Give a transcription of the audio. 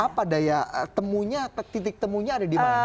apa daya temunya titik temunya ada di mana